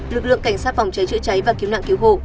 lực lượng cảnh sát phòng cháy chữa cháy và cứu nạn cứu hộ